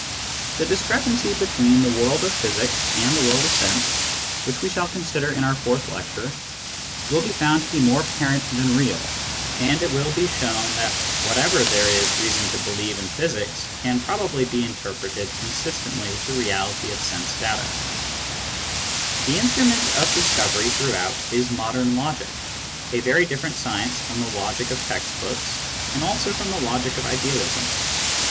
The discrepancy between the world of physics and the world of sense, which we shall consider in our fourth Digitized by Google i THE EXTERNAL WORLD 65 lectiire, will be found to be more apparent than real, and it will be shown that whatever there is reason to believe in physics can probably be interpreted in terms of sense. The instrument of discovery throughout is modern logic, a very different science from the logic of the text books and also from the logic of idealism.